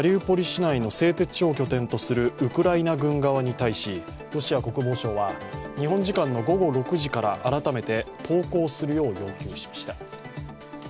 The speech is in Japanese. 市内の製鉄所を拠点とするウクライナ軍側に対し、ロシア国防省は日本時間の午後６時から、改めて投降するよう要求しました。